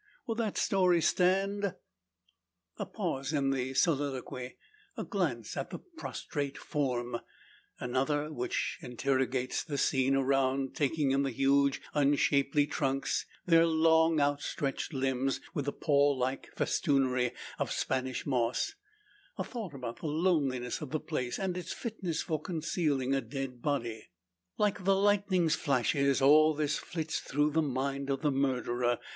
Will that story stand?" A pause in the soliloquy; a glance at the prostrate form; another, which interrogates the scene around, taking in the huge unshapely trunks, their long outstretched limbs, with the pall like festoonery of Spanish moss; a thought about the loneliness of the place, and its fitness for concealing a dead body. Like the lightning's flashes, all this flits through the mind of the murderer.